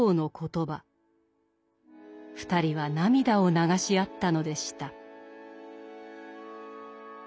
２人は涙を流し合ったのでした。